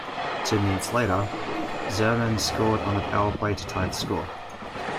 Two minutes later, Yzerman scored on the power-play to tie the score.